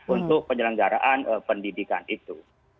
untuk penyelenggaraan pendidikan itu